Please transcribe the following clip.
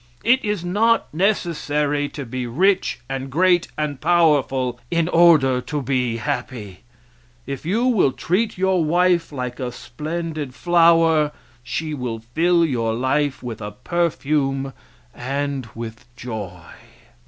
It is not necessary to be rich and great and powerful in order to be happy. If you will treat your wife like a splendid flower, she will fill your life with a perfume and with joy.